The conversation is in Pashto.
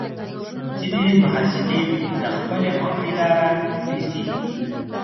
ځینې محصلین د خپلې خوښې لاره نیسي.